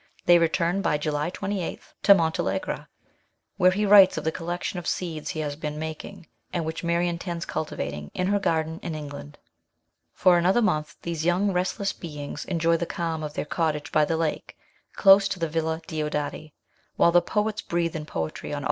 They return by July 28 to Montalegre, where he writes of the collection of seeds he has been making, and which Mary intends cultivating in her garden in England. For another month these young restless beings enjoy the calm of their cottage by the lake, close to the Villa Diodati, while the poets breathe in poetry on BIRTH OF A CHILD.